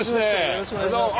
よろしくお願いします。